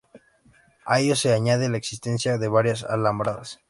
A ello se añade la existencia de varias alambradas.